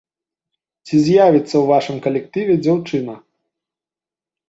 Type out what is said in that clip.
Ці з'явіцца ў вашым калектыве дзяўчына?